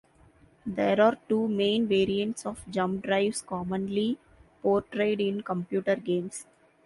There are two main variants of jump drives commonly portrayed in computer games.